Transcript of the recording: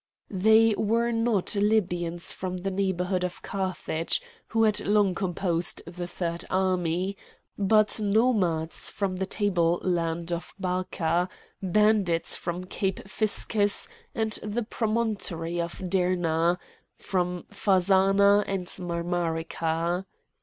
They were not Libyans from the neighbourhood of Carthage, who had long composed the third army, but nomads from the tableland of Barca, bandits from Cape Phiscus and the promontory of Dernah, from Phazzana and Marmarica.